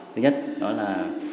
thứ nhất đó là